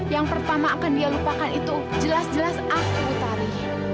yang pertama akan dia lupakan itu jelas jelas aku tari